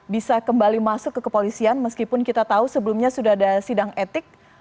bisa kembali masuk ke kepolisian meskipun kita tahu sebelumnya sudah ada sidang etik